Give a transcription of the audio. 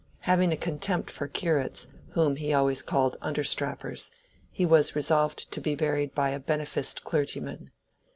Having a contempt for curates, whom he always called understrappers, he was resolved to be buried by a beneficed clergyman.